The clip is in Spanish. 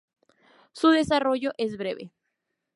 Su desarrollo es breve.